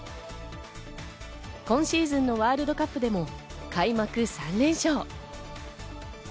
今シーズンのワールドカップでも開幕３連勝。